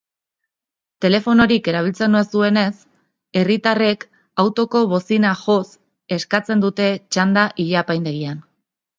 Telefonorik erabiltzen ez duenez, herritarrek autoko bozina joz eskatzen dute txanda ile-apaindegian.